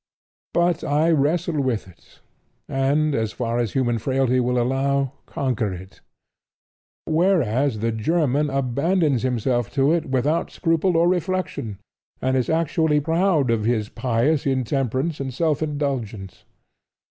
But I wrestle with it and as far as human fraility will allow conquer it, whereas the German abandons himself to it without scruple or reflection, and is actually proud of his pious intemperance and self indulgence.